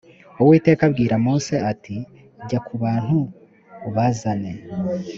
uwiteka abwira mose ati jya ku bantu ubazane